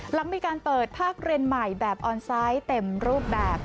หลังมีการเปิดภาคเรียนใหม่แบบออนไซต์เต็มรูปแบบ